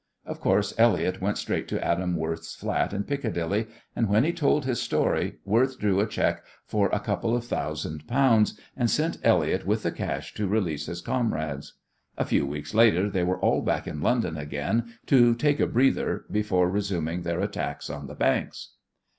Of course, Elliott went straight to Adam Worth's flat in Piccadilly, and when he told his story Worth drew a cheque for a couple of thousand pounds, and sent Elliott with the cash to release his comrades. A few weeks later they were all back in London again to take a "breather" before resuming their attacks on the banks.